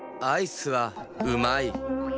アイスはうまい。